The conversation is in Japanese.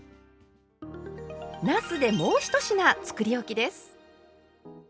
なすでもう１品つくりおきです。